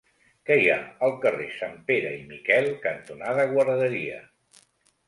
Què hi ha al carrer Sanpere i Miquel cantonada Guarderia?